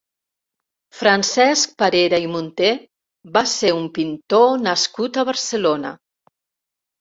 Francesc Parera i Munté va ser un pintor nascut a Barcelona.